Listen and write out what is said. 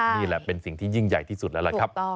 นี่แหละเป็นสิ่งที่ยิ่งใหญ่ที่สุดแล้วล่ะครับ